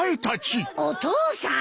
お父さん！